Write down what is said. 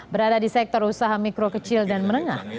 berada di sektor usaha mikro kecil dan menengah